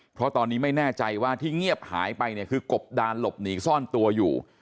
เพราะตอนนี้ไม่แน่ใจว่าที่เงียบหายไปเนี่ยคือกบดานหลบหนีซ่อนตัวอยู่